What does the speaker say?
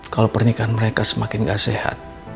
kalau pernikahan mereka semakin gak sehat